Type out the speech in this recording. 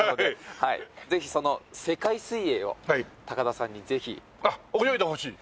ぜひその世界水泳を高田さんにぜひ。あっ泳いでほしい？